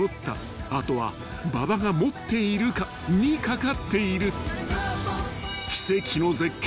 ［あとは馬場が持っているかに懸かっている］